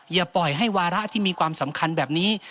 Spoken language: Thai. อย่าปล่อยให้วาระที่มีความสำคัญแบบนี้